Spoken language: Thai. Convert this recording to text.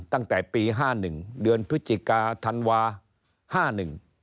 ตั้งแต่ปี๕๑เดือนพฤศจิกาธันวาห์๕๑